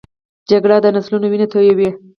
جګړه د نسلونو وینې تویوي